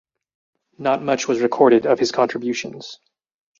Not much was recorded of his contributions.